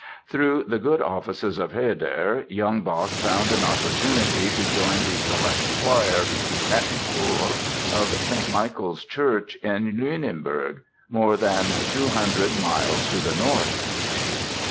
Through the good offices of Herder young Bach found an opportunity to join the select choir (Mettenchor) of St. Michael's Church in Lüneburg, more than two hundred miles to the north.